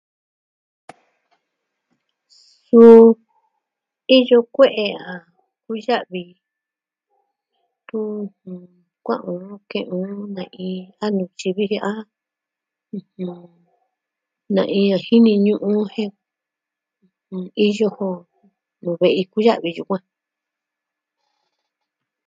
Suu iyo kue'e a kuya'vi. Tun kua'an nuu ke'en o nei a nutyi vijin a na iyo xini ñu'un jen iyo jo nuu ve'i kuya'vi yukuan.